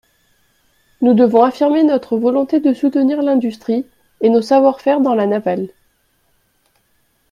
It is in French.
Nous devons affirmer notre volonté de soutenir l’industrie et nos savoir-faire dans la navale.